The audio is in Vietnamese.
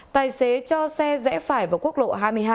tài xế cho xe rẽ phải vào quốc lộ hai mươi hai